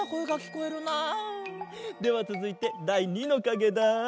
ではつづいてだい２のかげだ。